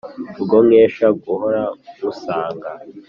urwo nkesha guhora nkusanga